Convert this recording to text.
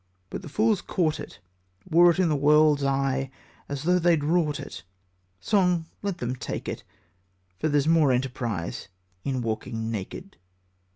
But the fools caught it, Wore it in the world's eye, As though they'd wrought it. Song, let them take it, For there's more enterprise In walking naked.